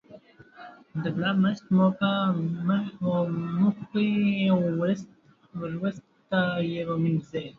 د ګلاب ماسک مو په مخ وموښئ او وروسته یې ومینځئ.